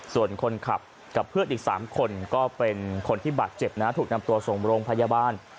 ส่วนคนขับกับเพื่อนอีก๓คนก็เป็นคนที่บาดเจ็บนะถูกนำตัวส่งโรงพยาบาล